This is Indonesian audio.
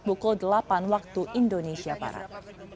pukul delapan waktu indonesia barat